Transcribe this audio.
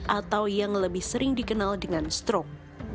atau yang lebih sering dikenal dengan stroke